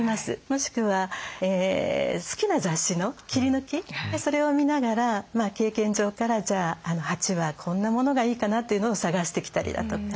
もしくは好きな雑誌の切り抜きそれを見ながら経験上から鉢はこんなものがいいかなというのを探してきたりだとか。